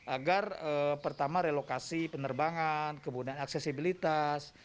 agar pertama relokasi penerbangan kemudian aksesibilitas